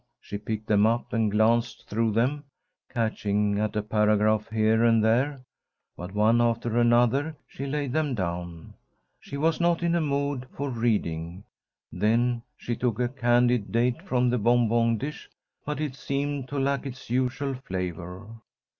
She picked them up and glanced through them, catching at a paragraph here and there. But one after another she laid them down. She was not in a mood for reading. Then she took a candied date from the bonbon dish, but it seemed to lack its usual flavour.